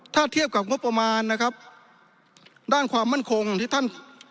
ถ้าเทียบกับงบประมาณนะครับด้านความมั่นคงที่ท่าน